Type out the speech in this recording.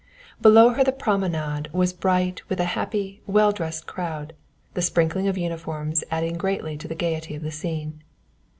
Below her the promenade was bright with a happy, well dressed crowd, the sprinkling of uniforms adding greatly to the gaiety of the scene.